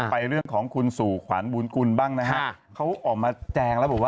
เรื่องของคุณสู่ขวัญบุญกุลบ้างนะฮะเขาออกมาแจงแล้วบอกว่า